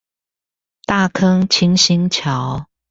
大坑清新橋